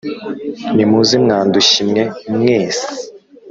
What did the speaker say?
Nimuze mwa ndushyi mwe mwese